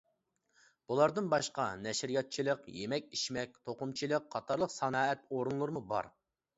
بۇلاردىن باشقا نەشرىياتچىلىق، يېمەك-ئىچمەك، توقۇمىچىلىق قاتارلىق سانائەت ئورۇنلىرىمۇ بار.